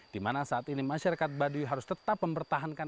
di mana saat ini masyarakat baduy harus tetap mempertahankan